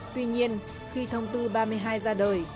tuy nhiên khi thông tư ba mươi hai ra đời